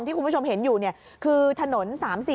คุณผู้ชมเห็นอยู่คือถนน๓๔